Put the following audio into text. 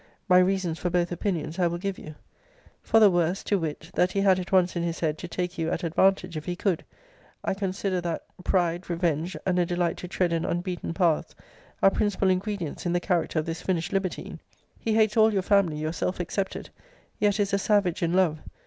My reasons for both opinions I will give you.] [For the first: to wit, that he had it once in his head to take you at advantage if he could, I consider* that] pride, revenge, and a delight to tread in unbeaten paths, are principal ingredients in the character of this finished libertine. He hates all your family, yourself excepted yet is a savage in love.